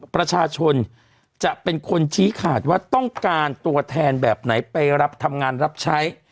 ประชาชนจะเป็นคนชี้ขาดว่าต้องการตัวแทนแบบไหนไปรับทำงานรับใช้